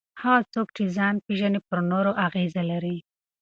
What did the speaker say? هغه څوک چې ځان پېژني پر نورو اغېزه لري.